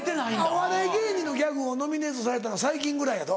お笑い芸人のギャグノミネートされたの最近ぐらいやぞ。